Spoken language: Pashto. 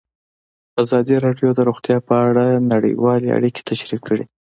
ازادي راډیو د روغتیا په اړه نړیوالې اړیکې تشریح کړي.